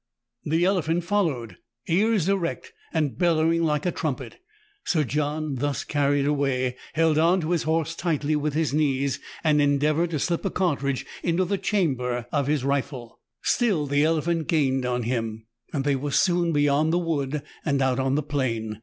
The elephant followed, ears erect, and bellowing like a trumpet. Sir John, thus carried away, held on to his horse tightly with his knees, and endeavoured to slip a cartridge into the chamber of his S6 MERIDIANA ; THE ADVENTURES OF rifle. Still the elephant gained on him. They were soon beyond the wood, and out on the plain.